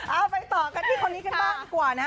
เอาไปต่อกันที่คนนี้กันก่อน